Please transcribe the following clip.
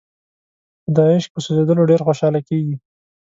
خو د عاشق په سوځېدلو ډېره خوشاله کېږي.